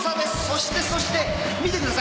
そしてそして見てください。